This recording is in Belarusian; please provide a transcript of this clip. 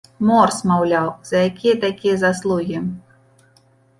Морс, маўляў, за якія такія заслугі?